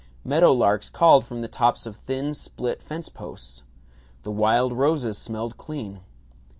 Meadow larks called from the tops of thin split fence posts. The wild roses smelled clean.